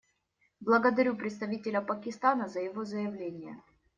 Благодарю представителя Пакистана за его заявление.